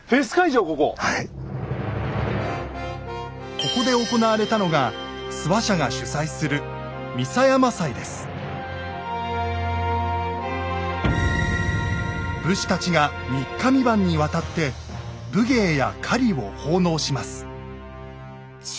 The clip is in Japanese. ここで行われたのが諏訪社が主催する武士たちが三日三晩にわたって武芸や狩りを奉納します。